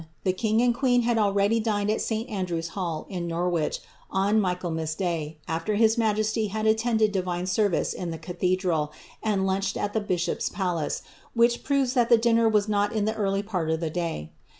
The king and queen had already dined at St. Andrew's hall, in Norwich, on Mir.liaelmas day, after his majesty had attended divine serrice in the r.'itlicdral, and lunched at the bishop's palace, which proves that the dinner waM not in the early part of the day.